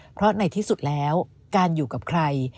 เพราะในที่สุดแล้วการอยู่กับใคร